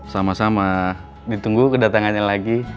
sama sama ditunggu kedatangannya lagi